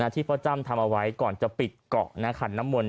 ที่พ่อจ้ำทำเอาไว้ก่อนจะปิดเกาะขันน้ำมนต